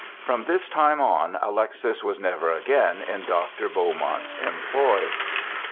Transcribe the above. From this time on Alexis was never again in Dr. Beaumont's employ.